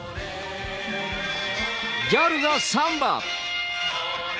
ギャルがサンバ。